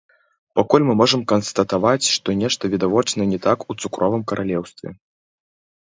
Пакуль мы можам канстатаваць, што нешта відавочна не так у цукровым каралеўстве.